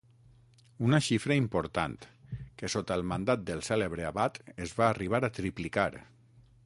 Una xifra important, que sota el mandat del cèlebre abat es va arribar a triplicar.